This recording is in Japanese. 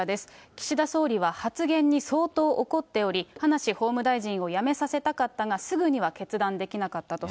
岸田総理は発言に相当怒っており、葉梨法務大臣を辞めさせたかったが、すぐには決断できなかったと。